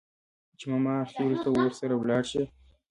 چې ماماخېلو ته ورسره لاړه شي.